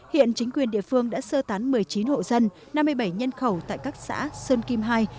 hiện chính quyền địa phương đã sơ tán một mươi chín hộ dân năm mươi bảy nhân khẩu tại các xã sơn kim hai